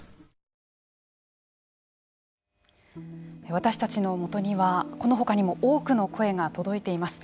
私たちのもとにはこのほかにも多くの声が届いています。